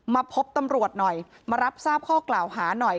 มาพบตำรวจหน่อยมารับทราบข้อกล่าวหาหน่อย